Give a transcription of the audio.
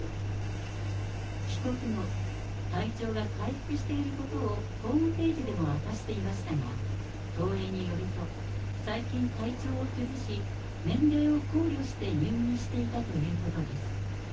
帰国後、体調が回復していることをホームページでも明かしていましたが、東映によると、最近、体調を崩し、年齢を考慮して入院していたということです。